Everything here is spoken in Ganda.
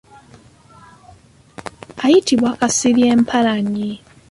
Ayitibwa Kasirye Mpalanyi.